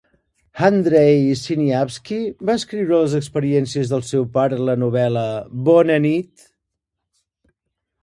Andrei Sinyavsky va descriure les experiències del seu pare en la novel·la Bona nit!